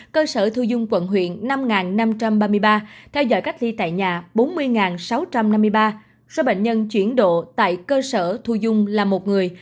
cơ sở thu dung quận huyện năm năm trăm ba mươi ba theo dõi cách ly tại nhà bốn mươi sáu trăm năm mươi ba số bệnh nhân chuyển độ tại cơ sở thu dung là một người